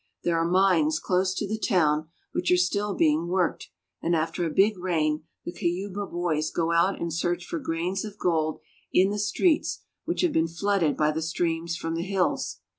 There are mines close to the town, which are still being worked, and after a big rain the Cuyaba boys go out and search for grains of gold in the streets which have been flooded by the streams from the hills.